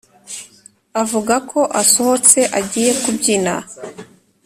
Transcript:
avuga ko asohotse agiye kubyina